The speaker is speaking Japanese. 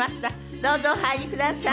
どうぞお入りください。